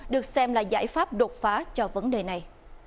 được xem là giải pháp đột phá cho vấn đề này